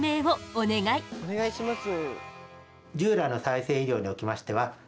お願いします。